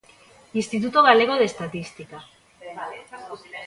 Instituto Galego de Estatística.